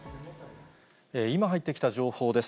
今入ってきた情報です。